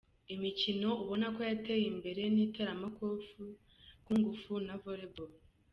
Imikino ubonako yateye imbere ni iteramakofe, kung-fu na volley ball.